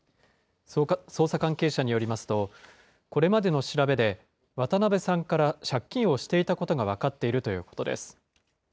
捜査関係者によりますと、これまでの調べで、渡邉さんから借金をしていたことが分かっているということです。